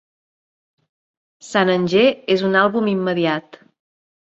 St. Anger és un àlbum immediat.